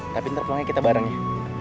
tapi ntar pulangnya kita bareng ya